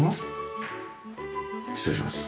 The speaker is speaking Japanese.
失礼します。